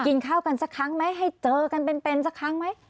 กินข้าวกันสักครั้งไหมให้เจอกันเป็นสักครั้งไหม